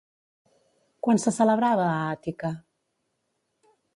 Quan se celebrava a Àtica?